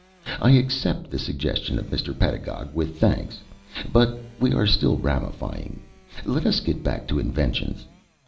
I accept the suggestion of Mr. Pedagog with thanks. But we are still ramifying. Let us get back to inventions.